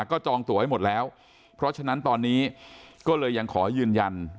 ก็จองตัวไว้หมดแล้วเพราะฉะนั้นตอนนี้ก็เลยยังขอยืนยัน